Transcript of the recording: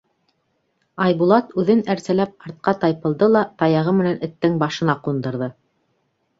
Айбулат үҙен әрсәләп артҡа тайпылды ла таяғы менән эттең башына ҡундырҙы.